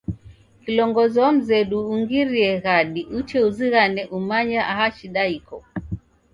Kilongozi wa mzedu ungirie ghadi uche uzighane umanye aha shida iko.